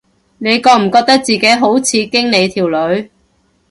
你覺唔覺得自己好似經理條女